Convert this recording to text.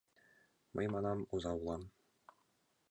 Мый, манам, оза улам.